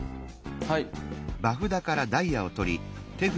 はい。